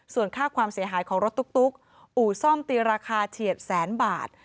ส่วนค่าความเสียหายของรถตุ๊กอู่ซ่อมตีราคาเฉียดแสนบาท